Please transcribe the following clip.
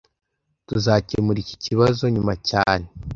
Tuzakemura iki kibazo nyuma cyane